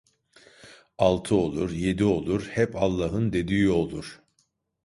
Altı olur, yedi olur, hep Allah'ın dediği olur.